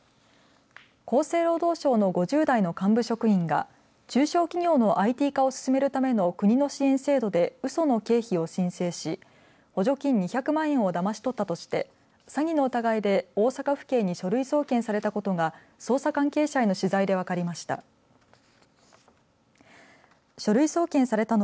厚生労働省の５０代の幹部職員が中小企業のＩＴ化を進めるための国の支援制度でうその経費を申請し補助金２００万円をだまし取ったとして詐欺の疑いで大阪府警に書類送検されたことが捜査関係者への取材で分かりました。